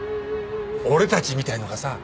俺たちみたいなのがさ